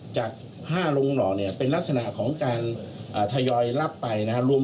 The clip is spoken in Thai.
จาก๕โรงหล่อเนี่ยเป็นลักษณะของการทยอยรับไปนะครับ